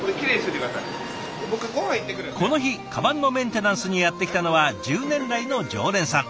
この日カバンのメンテナンスにやって来たのは１０年来の常連さん。